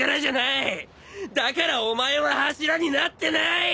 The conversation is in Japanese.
だからお前は柱になってない！